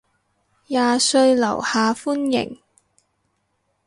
廿歲樓下歡迎